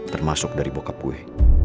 termasuk dari bokap gue